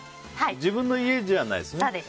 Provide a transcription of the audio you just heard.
自分の家じゃないですね。